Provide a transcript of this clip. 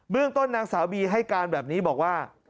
เรื่องต้นนางสาวบีให้การแบบนี้บอกว่า